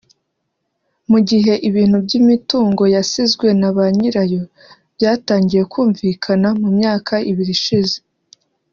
Mu gihe ibintu by’imitungo yasizwe na ba nyirayo byatangiye kumvikana mu myaka ibiri ishize